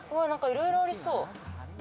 いろいろありそう。